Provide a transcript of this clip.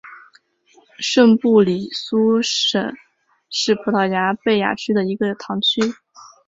圣布里苏什是葡萄牙贝雅区的一个堂区。